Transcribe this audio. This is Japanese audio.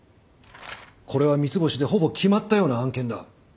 これは三ツ星でほぼ決まったような案件だ。